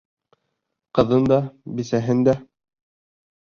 Ҡыҙын да, бисәһен дә.